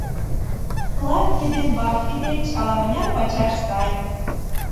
Флаффи ден Баффи деч ала-мыняр пачаш сай.